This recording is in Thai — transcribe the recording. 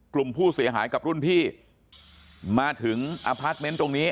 กลุ่มผู้เสียหายกับรุ่นพี่มาถึงอพาร์ทเมนต์ตรงนี้